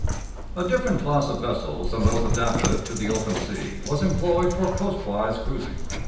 A different class of vessels than those adapted to the open sea was employed for coastwise cruising.